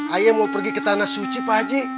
ayah mau pergi ke tanah suci pak haji